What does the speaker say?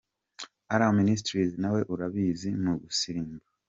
Alarm Ministries nawe urabazi mu gusirimba.